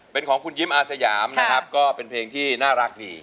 เป็นของคุณยิ้มอาสยามนะครับก็เป็นเพลงที่น่ารักดี